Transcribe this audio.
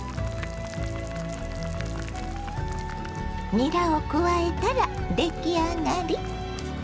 にらを加えたら出来上がり。